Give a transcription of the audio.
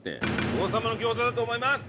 王さまの餃子だと思います。